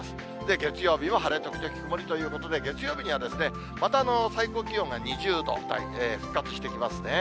月曜日も晴れ時々曇りということで、月曜日にはまた最高気温が２０度台で復活してきますね。